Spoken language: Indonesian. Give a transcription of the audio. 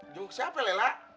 jenguk siapa lela